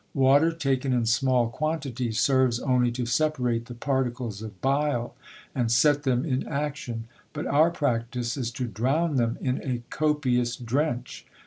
Water taken in a small quantity serves only to separate the particles of bile and set them in action ; but our practice is to drown them in a copious drench.